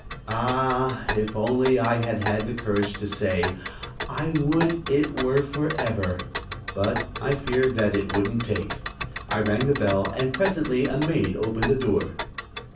Ah, if only I had had the courage to say: "I would it were for ever!" But I feared that it wouldn't take. I rang the bell, and presently a maid opened the door.